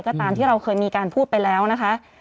ก็ตามที่เราเคยมีการพูดไปแล้วนะคะ